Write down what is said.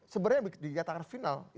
sebenarnya dikatakan final